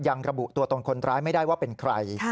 ยังระบุตัวตนคนร้ายไม่ได้ว่าเป็นใคร